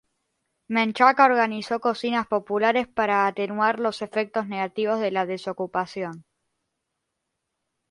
Menchaca organizó cocinas populares para atenuar los efectos negativos de la desocupación.